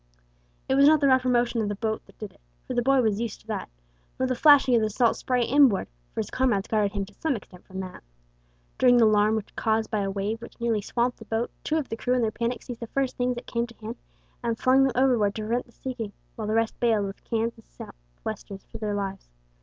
It was not the rougher motion of the boat that did it, for the boy was used to that; nor the flashing of the salt spray inboard, for his comrades guarded him to some extent from that. During the alarm caused by a wave which nearly swamped the boat two of the crew in their panic seized the first things that came to hand and flung them overboard to prevent their sinking, while the rest baled with cans and sou' westers for their lives.